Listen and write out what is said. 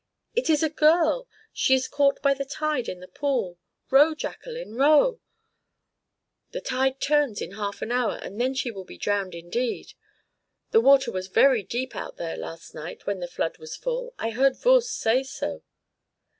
"It is a girl! She is caught by the tide in the pool. Row, Jacqueline, row! the tide turns in half an hour, and then she will be drowned indeed. The water was very deep out there last night when the flood was full; I heard Voorst say so."